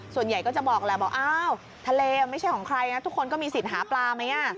ส่วนใหญ่ก็จะบอกแหละบอกอ้าวทะเลไม่ใช่ของใครนะทุกคนก็มีสิทธิ์หาปลาไหม